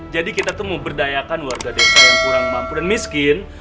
jadi kita tuh mau berdayakan warga desa yang kurang mampu dan miskin